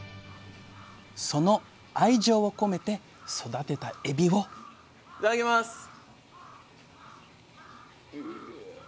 その愛情を込めて育てたエビをいただきます。